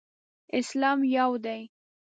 اسلام یو دی.